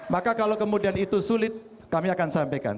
maka kalau kemudian itu sulit kami akan sampaikan